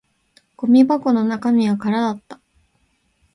ゴミ箱の中身は空だった